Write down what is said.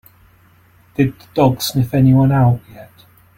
Did the dog sniff anyone out yet?